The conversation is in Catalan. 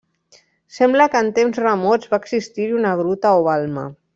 Sembla que en temps remots va existir-hi una gruta o balma.